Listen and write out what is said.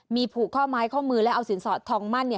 มีผูกข้อไม้ข้อมือและเอาสินสอดทองมั่น